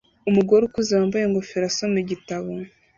Umugore ukuze wambaye ingofero asoma igitabo